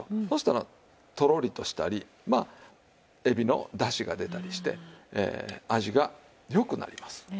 そしたらとろりとしたりまあエビのだしが出たりして味が良くなります。